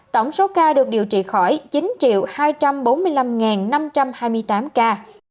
tổng số ca được điều trị khỏi chín hai trăm bốn mươi năm năm trăm hai mươi tám ca